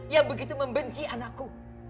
yang begitu membenci anakku